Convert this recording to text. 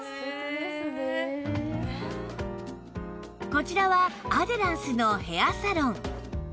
こちらはアデランスのヘアサロン